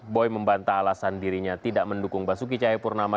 boy membantah alasan dirinya tidak mendukung basuki cahayapurnama